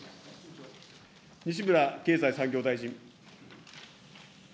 西村経済産業大臣。